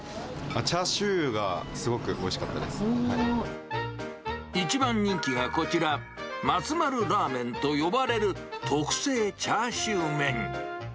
チャーシューがすごくおいし一番人気がこちら、マツマルラーメンと呼ばれる、特製チャーシュー麺。